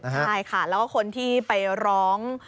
ใช่ค่ะแล้วก็คนที่ไปร้อง